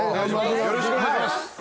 よろしくお願いします